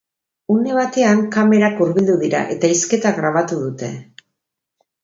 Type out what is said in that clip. Une batean, kamerak hurbildu dira, eta hizketa grabatu dute.